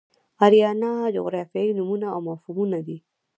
آریانا جغرافیایي نومونه او مفهومونه دي.